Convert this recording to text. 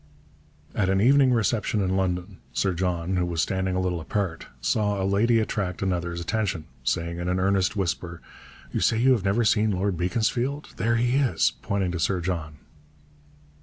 At an evening reception in London, Sir John, who was standing a little apart, saw a lady attract another's attention, saying in an earnest whisper, 'You say you have never seen Lord Beaconsfield. There he is,' pointing to Sir John.